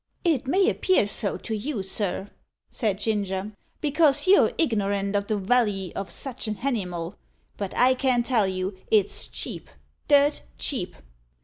"It may appear so to you, sir," said Ginger, "because you're ignorant o' the wally of sich a hanimal; but I can tell you, it's cheap dirt cheap.